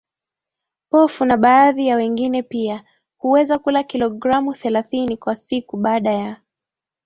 pofu na baadhi ya wengine pia Huweza kula kilogramu thelathini kwa siku Baada ya